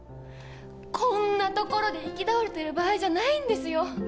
こんなところで行き倒れてる場合じゃないんですよ